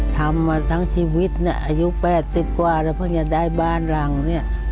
ทำมาทั้งชีวิตเนี่ยอายุ๘๐กว่าแล้วเพิ่งจะได้บ้านหลังเนี่ย